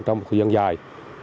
trong một thời gian dài